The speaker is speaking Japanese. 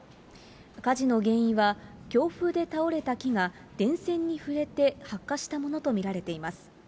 火事の原因は強風で倒れた木が、電線に触れて発火したものと見られています。